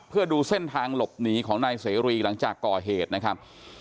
เพื่อดูเส้นทางหลบหนีของนายเสรีหลังจากก่อเหตุนะครับ